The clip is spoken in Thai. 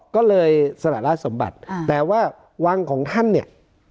ก็เลยสละราชสมบัติแต่ว่าวังของท่านเนี่ย